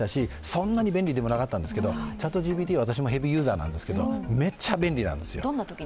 そんなに便利でもなかったんですけど、ＣｈａｔＧＰＴは私もヘビーユーザーなんですけどめっちゃ便利なんですよ。